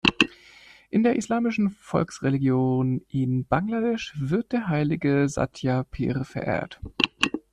In der islamischen Volksreligion in Bangladesch wird der heilige Satya Pir verehrt.